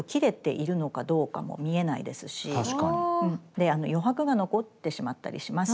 で余白が残ってしまったりします。